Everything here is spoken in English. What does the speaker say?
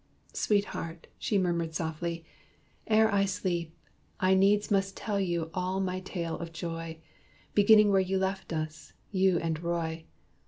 "Sweetheart," she murmured softly, "ere I sleep, I needs must tell you all my tale of joy. Beginning where you left us you and Roy.